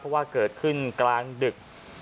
เพราะว่าเกิดขึ้นกลางดึก